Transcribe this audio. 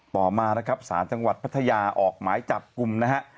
ต่อมานะครับศาลจังหวัดพัทยาออกหมายจับกลุ่มนะฮะ